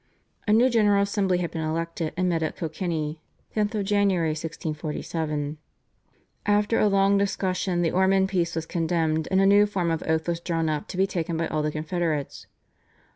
A new General Assembly had been elected and met at Kilkenny (10 Jan. 1647). After a long discussion the Ormond Peace was condemned, and a new form of oath was drawn up to be taken by all the Confederates.